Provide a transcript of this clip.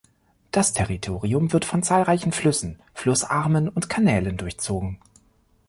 Das Territorium wird von zahlreichen Flüssen, Flussarmen und Kanälen durchzogen.